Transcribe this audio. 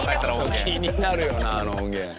気になるよなあの音源。